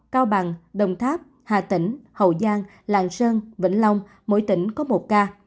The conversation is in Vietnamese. cao bằng đồng tháp hà tĩnh hậu giang lạng sơn vĩnh long mỗi tỉnh có một ca